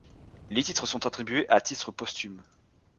Les titres sont attribués à titre posthume.